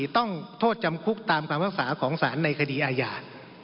ต้องโทษจำคุกตามคำภาษาของสารในคดีอาญา